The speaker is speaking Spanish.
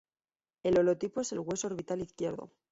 El holotipo es el hueso orbital izquierdo.